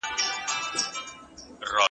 څه شی نوی حکومت له لوی ګواښ سره مخ کوي؟